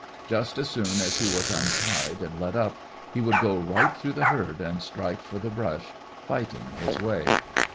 Just as soon as he was untied and let up he would go right through the herd and strike for the brush, fighting his way.